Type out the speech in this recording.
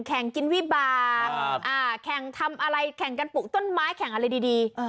แข่งกินวิบากแข่งทำอะไรแข่งกันปลูกต้นไม้แข่งอะไรดี